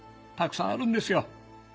たくさんあるんですよ。